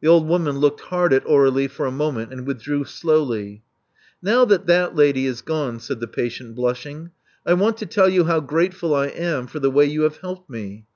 The old woman looked hard at Aurflie for a moment, and withdrew slowly. Now that that lady is gone," said the patient, blushing, I want to tell you how grateful I am for the way you have helped me.